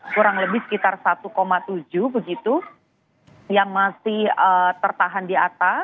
kurang lebih sekitar satu tujuh begitu yang masih tertahan di atas